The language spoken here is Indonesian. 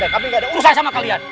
kami gak ada urusan sama kalian